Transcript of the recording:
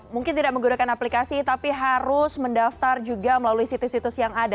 mungkin tidak menggunakan aplikasi tapi harus mendaftar juga melalui situs situs yang ada